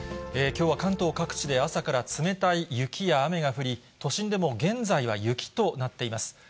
きょうは関東各地で朝から冷たい雪や雨が降り、都心でも現在は雪となっています。